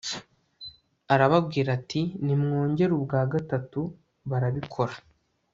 Arababwira ati Nimwongere ubwa gatatu Barabikora